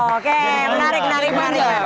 oke menarik menarik menarik